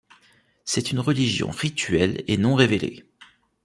C’est une religion rituelle et non révélée.